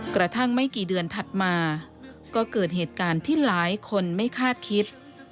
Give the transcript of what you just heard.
กระทั่งไม่กี่เดือนถัดมาก็เกิดเหตุการณ์ที่หลายคนไม่คาดคิด